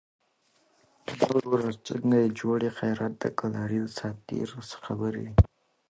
آيا ته شيخ امين الله پېژنې ؟